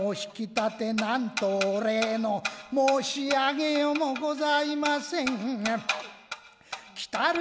なんとお礼の申し上げようもございません来る